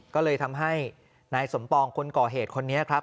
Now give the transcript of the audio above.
ก็เลยทำให้นายสมปองคนก่อเหตุคนนี้ครับ